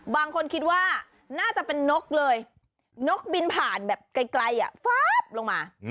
บางคนคิดว่าน่าจะเป็นนกเลยนกบินผ่านแบบไกลฟาบลงมา